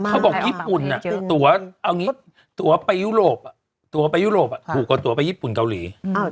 อันที่ให้วิทยุโรปผูกกับตัวไปญี่ปุ่นเกาหลี